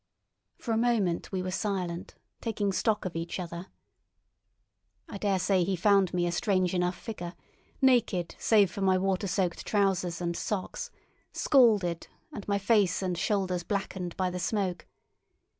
For a moment we were silent, taking stock of each other. I dare say he found me a strange enough figure, naked, save for my water soaked trousers and socks, scalded, and my face and shoulders blackened by the smoke.